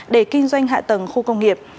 để kinh doanh hạ tầng khu công nghiệp